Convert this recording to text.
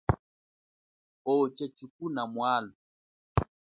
Ocha tshikuna mwalwa.